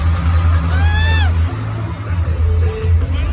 สวัสดีครับ